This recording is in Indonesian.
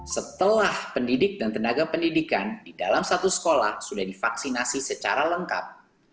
setelah pendidik dan tenaga pendidikan di dalam satu sekolah sudah divaksinasi secara lengkap